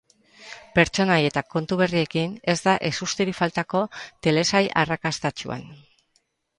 Pertsonai eta kontu berriekin, ez da ezusterik faltako telesail arrakastatsuan.